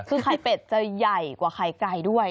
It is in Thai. คือไข่เป็ดจะใหญ่กว่าไข่ไก่ด้วย